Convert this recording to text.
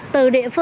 từ địa phương